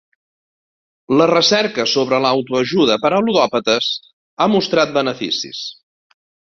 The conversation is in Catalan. La recerca sobre la autoajuda per a ludòpates ha mostrat beneficis.